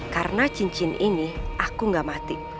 karena cincin ini aku nggak mati